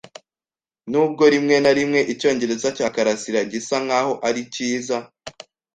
Nubwo rimwe na rimwe icyongereza cya karasira gisa nkaho ari cyiza,